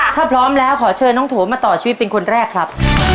ถ้าพร้อมแล้วขอเชิญน้องโถมาต่อชีวิตเป็นคนแรกครับ